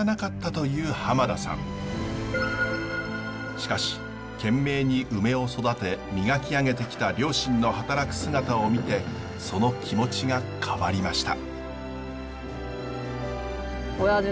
しかし懸命にウメを育て磨き上げてきた両親の働く姿を見てその気持ちが変わりました。